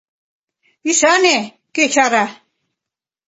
— Ӱшане, кӧ чара.